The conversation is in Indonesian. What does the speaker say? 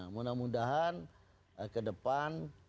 mudah mudahan ke depan